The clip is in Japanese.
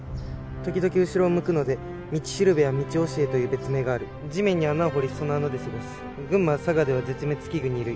時々後ろを向くので「ミチシルベ」や「ミチオシエ」という別名がある地面に穴を掘りその穴で過ごす群馬佐賀では絶滅危惧Ⅱ類